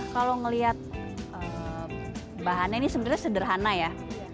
kalau melihat bahannya ini sebenarnya sederhana ya